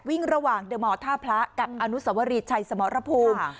วิ่งระหว่างเดอร์มอร์ท่าพระกับอนุสวรีชัยสมรภูมิ